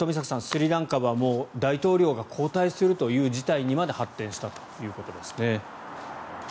スリランカは大統領が交代するという事態にまで発展したということですね。